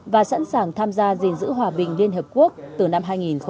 và sẵn sàng tham gia dình dữ hòa bình liên hợp quốc từ năm hai nghìn hai mươi